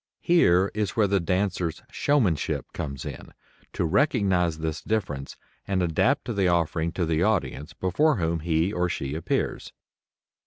Here is where the dancer's showmanship comes in to recognize this difference and adapt the offering to the audience before whom he or she appears.